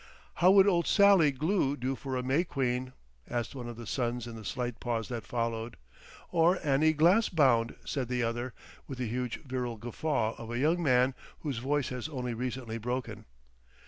"How would old Sally Glue do for a May Queen?" asked one of the sons in the slight pause that followed. "Or Annie Glassbound?" said the other, with the huge virile guffaw of a young man whose voice has only recently broken.